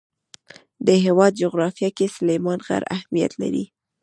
د هېواد جغرافیه کې سلیمان غر اهمیت لري.